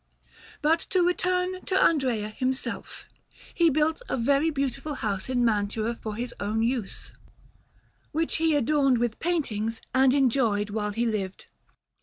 But to return to Andrea himself; he built a very beautiful house in Mantua for his own use, which he adorned with paintings and enjoyed while he lived.